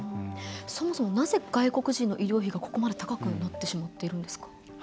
そもそもなぜ、外国人の医療費がここまで高くなってしまっているんですか。